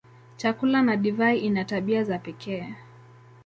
Chakula na divai ina tabia za pekee.